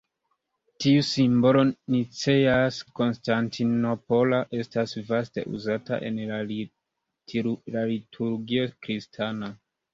Tiu simbolo nicea-konstantinopola estas vaste uzata en la liturgio kristana.